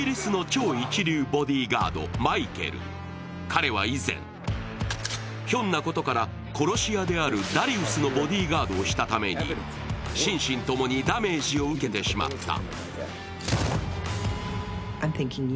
彼は以前、ひょんなことから殺し屋であるダリウスのボディガードをしたために心身共にダメージを受けてしまった。